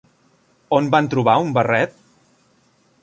On van trobar un barret?